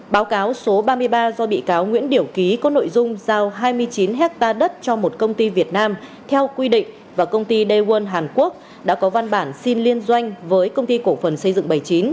báo cáo số ba mươi ba do bị cáo nguyễn điểu ký có nội dung giao hai mươi chín hectare đất cho một công ty việt nam theo quy định và công ty daewon hàn quốc đã có văn bản xin liên doanh với công ty cổ phần xây dựng bảy mươi chín